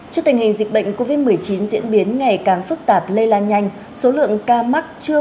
trước tình hình dịch bệnh covid một mươi chín diễn biến ngày càng phức tạp lây lan nhanh số lượng ca mắc chưa